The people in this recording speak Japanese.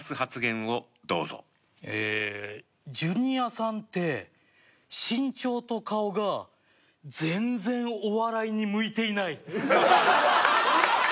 ジュニアさんって身長と顔が全然お笑いに向いていない。